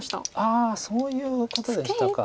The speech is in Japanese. ああそういうことでしたか。